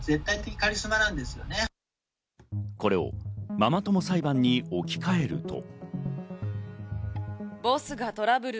これをママ友裁判に置き換えると。